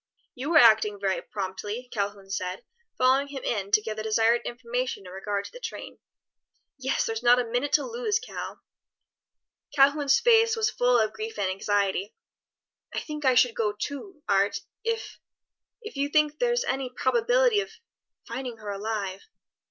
"You are acting very promptly," Calhoun said, following him in to give the desired information in regard to the train. "Yes, there's not a minute to lose, Cal." Calhoun's face was full of grief and anxiety. "I think I should go, too, Art, if if you think there's any probability of finding her alive."